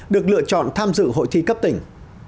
được lựa chọn tham dự hội thi cấp tỉnh